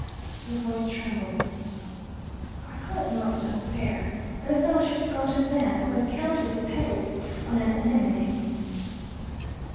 Her voice trembled. "I call it most unfair, and the fellowship's gone to a man who has counted the petals on an anemone."